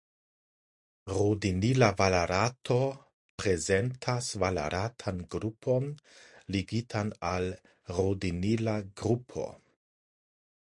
Rodinila valerato prezentas valeratan grupon ligitan al rodinila grupo.